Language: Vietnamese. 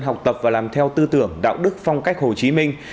học tập và làm theo tư tưởng đạo đức phong cách hồ chí minh